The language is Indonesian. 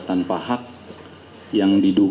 tanpa hak yang di